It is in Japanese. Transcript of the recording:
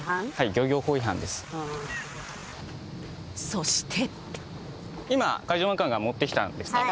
そして。